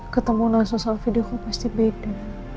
ketemu nanti sosial video aku pasti beda